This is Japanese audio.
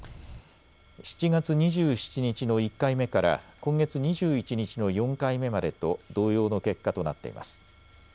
７月２７日の１回目から今月２１日の４回目までと同様の結果となっています。